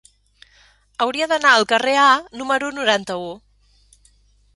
Hauria d'anar al carrer A número noranta-u.